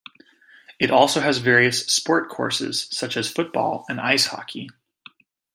It also has various sport courses such as football and ice hockey.